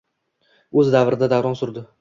O’z davrida davron surdi